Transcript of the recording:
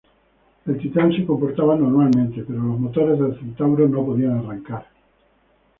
El Titán se comportaba normalmente, pero los motores del Centauro no podían arrancar.